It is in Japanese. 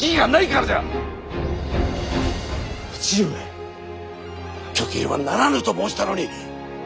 だから挙兵はならぬと申したのに！